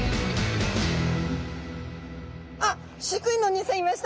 あっ飼育員のおにいさんいました！